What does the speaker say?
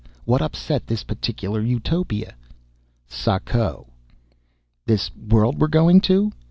What upset this particular utopia?" "Sako." "This world we're going to?"